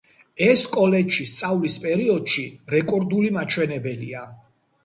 ეს კოლეჯში სწავლის პერიოდში რეკორდული მაჩვენებელია.